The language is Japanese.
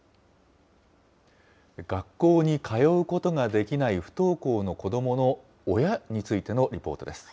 学校に通うことができない不登校の子どもの親についてのリポートです。